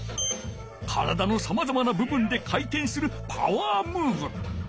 体のさまざまなぶぶんでかいてんするパワームーブ。